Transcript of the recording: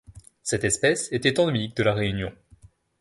Cette espèce était endémique de La Réunion.